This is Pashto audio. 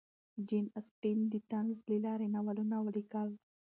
جین اسټن د طنز له لارې ناولونه لیکل.